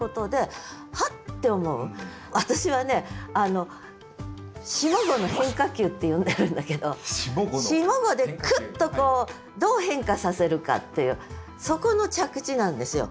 私はね「下五の変化球」って呼んでるんだけど下五でクッとこうどう変化させるかっていうそこの着地なんですよ。